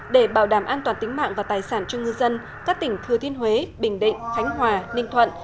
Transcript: để bảo đảm an toàn tính mạng và tài sản cho ngư dân các tỉnh thừa thiên huế bình định khánh hòa ninh thuận